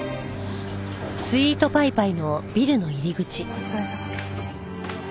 お疲れさまです。